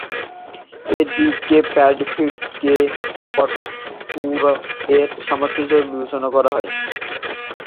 এদিকে, "প্যারডিফেলিস"কে "কাটোপুমা"র সমার্থক হিসেবে বিবেচনা করা হয়।